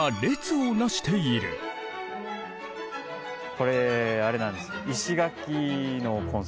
これあれなんですよ。